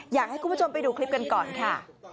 อยากให้คุณผู้ชมไปดูคลิปกันก่อนค่ะ